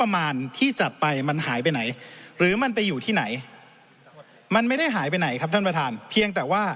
ให้กับประเทศไทยเลย